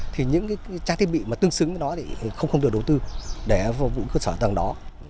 thì những trang thiết bị mà tương xứng với nó thì không được đầu tư để phục vụ cơ sở tầng đó